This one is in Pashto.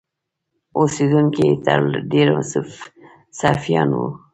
اوسېدونکي یې تر ډېره سرفیان وو.